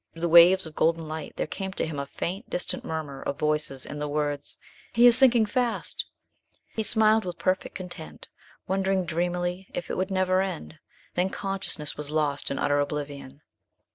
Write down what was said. Through the waves of golden light there came to him a faint, distant murmur of voices, and the words, "He is sinking fast!" He smiled with perfect content, wondering dreamily if it would never end; then consciousness was lost in utter oblivion.